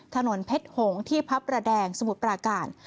ถนนเพชรหงษ์ที่พระประแดงสมุทรปราการ